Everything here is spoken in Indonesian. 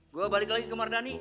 gue balik lagi ke mardhani